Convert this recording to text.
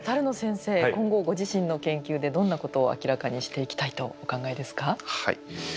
野先生今後ご自身の研究でどんなことを明らかにしていきたいとお考えですか？